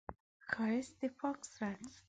ښایست د پاک زړه عکس دی